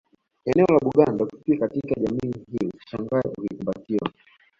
Eneo la Buganda ukifika katika jamii hii usishangae ukikumbatiwa